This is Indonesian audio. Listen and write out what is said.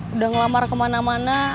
udah ngelamar kemana mana